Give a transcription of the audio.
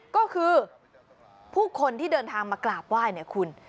ก็คือผู้คนที่เดินทางมากราบไหว้เนี่ยคุณ